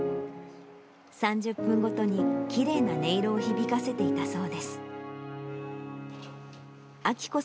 ３０分ごとにきれいな音色を響かせていたそうです。